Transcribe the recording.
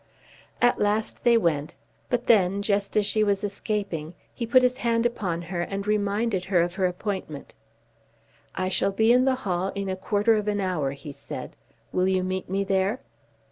At last they went; but then, just as she was escaping, he put his hand upon her and reminded her of her appointment. "I shall be in the hall in a quarter of an hour," he said. "Will you meet me there?"